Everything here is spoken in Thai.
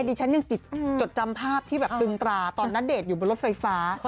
ดิฉันยังจดจำภาพที่แบบตึงตราตอนณเดชน์อยู่บนรถไฟฟ้า